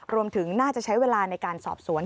รวมถึงน่าจะใช้เวลาในการสอบสวน